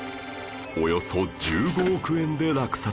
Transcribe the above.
およそ１５億円で落札